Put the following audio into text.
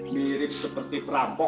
mirip seperti perampok